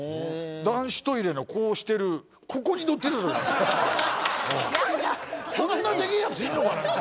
男子トイレのこうしてるここにのってるこんなでけえヤツいるのかな？